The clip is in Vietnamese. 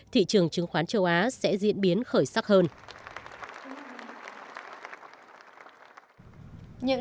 thị trường chứng khoán châu á sẽ diễn biến khởi sắc hơn